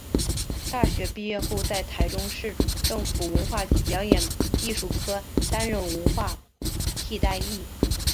大学毕业后在台中市政府文化局表演艺术科担任文化替代役。